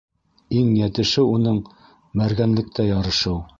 Иң йәтеше уның - мәргәнлектә ярышыу.